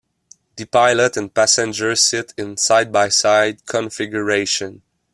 The pilot and passenger sit in side-by-side configuration.